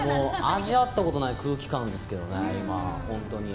味わったことない空気感ですけどね、本当に。